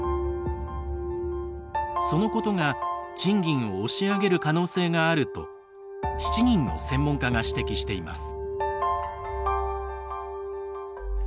そのことが賃金を押し上げる可能性があると７人の専門家が指摘しています。